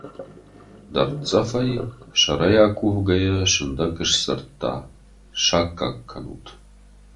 Дӕрддзӕфӕй, сӕрӕй акувгӕйӕ, сындӕг сдзырдта: «Саккаг кӕнут».